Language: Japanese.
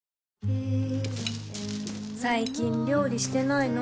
最近料理してないの？